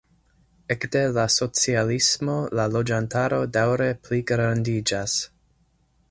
Ekde la socialismo la loĝantaro daŭre pligrandiĝas.